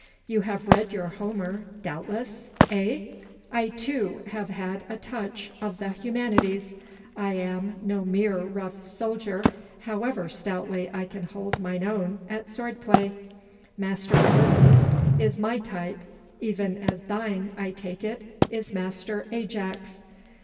You have read your Homer, doubtless. Eh? I too have had a touch of the humanities. I am no mere rough soldier, however stoutly I can hold mine own at sword play. Master Ulysses is my type, even as thine, I take it, is Master Ajax.